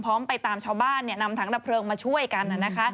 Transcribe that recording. ไปตามชาวบ้านนำถังดับเพลิงมาช่วยกัน